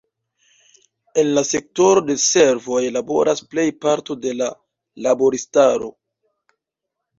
En la sektoro de servoj laboras plej parto de la laboristaro.